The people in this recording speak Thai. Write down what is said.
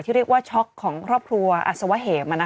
เรียกว่าช็อกของครอบครัวอัศวะเหม